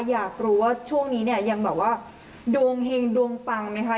อยากรู้ว่าช่วงนี้เนี่ยยังแบบว่าดวงเฮงดวงปังไหมคะ